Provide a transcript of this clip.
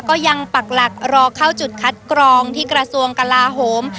ปักหลักรอเข้าจุดคัดกรองที่กระทรวงกลาโหม